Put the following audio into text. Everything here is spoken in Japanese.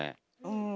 うん。